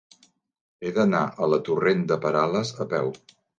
He d'anar a la torrent de Perales a peu.